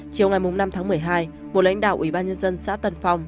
chiều ngày năm tháng một mươi hai một lãnh đạo ủy ban nhân dân xã tân phong